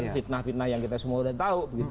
fitnah fitnah yang kita semua udah tahu